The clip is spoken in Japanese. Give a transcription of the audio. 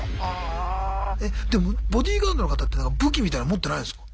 えでもボディーガードの方というのは武器みたいの持ってないんすか？